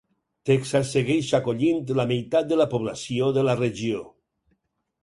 Texas segueix acollint la meitat de la població de la regió.